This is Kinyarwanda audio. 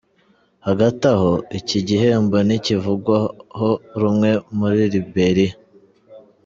Hagati aho, iki gihembo ntikivugwaho rumwe muri Liberia.